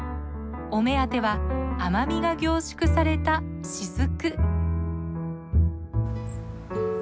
お目当ては甘みが凝縮された滴。